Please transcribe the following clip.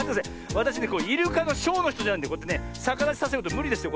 わたしねイルカのショーのひとじゃないんでさかだちさせることむりですよ